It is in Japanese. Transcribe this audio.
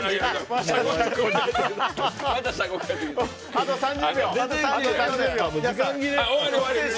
あと３０秒です。